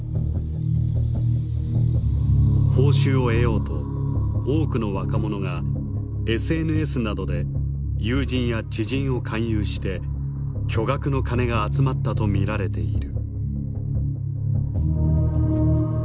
報酬を得ようと多くの若者がＳＮＳなどで友人や知人を勧誘して巨額の金が集まったと見られている。